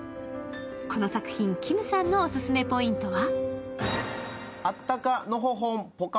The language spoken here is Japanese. この作品、きむさんのオススメポイントは？